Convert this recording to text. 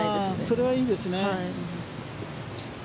それはいいですね。